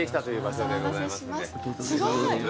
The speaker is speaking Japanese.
すごい！